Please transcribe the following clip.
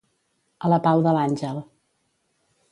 A la pau de l'àngel.